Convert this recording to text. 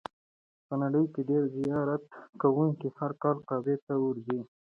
په نړۍ کې ډېر زیارت کوونکي هر کال کعبې ته ورځي.